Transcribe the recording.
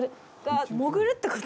潜るってこと？